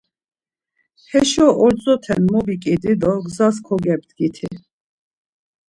Heşo ordzote mobiǩidi do gzas kogebdgiti.